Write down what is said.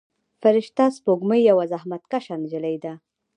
فرشته سپوږمۍ یوه زحمت کشه نجلۍ ده.